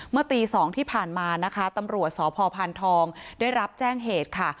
เมื่อตี๒ที่ผ่านมานะคะตำรวจสพพานทองได้รับแจ้งเหตุค่ะ